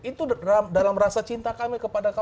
itu dalam rasa cinta kami kepada kami